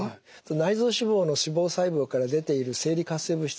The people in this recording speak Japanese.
内臓脂肪の脂肪細胞から出ている生理活性物質